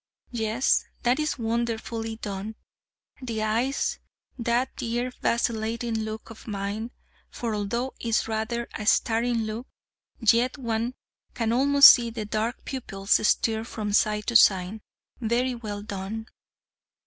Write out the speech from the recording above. Yes, that is wonderfully done, the eyes, that dear, vacillating look of mine; for although it is rather a staring look, yet one can almost see the dark pupils stir from side to side: very well done.